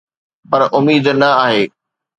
پر اميد نه آهي